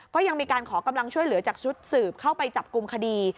ก็ยังมีการขอกำลังช่วยเหลือจากชุดสืบเข้าไปจับกลุ่มคดี